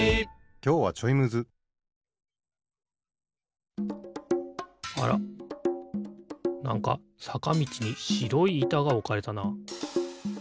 きょうはちょいむずあらなんかさかみちにしろいいたがおかれたな。